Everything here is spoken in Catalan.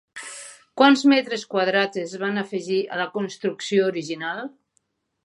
Quants metres quadrats es van afegir a la construcció original?